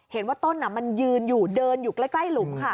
เห็นว่าต้นมันยืนอยู่เดินอยู่ใกล้หลุมค่ะ